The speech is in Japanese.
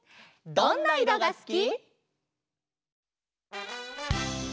「どんないろがすき」「」